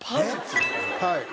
はい。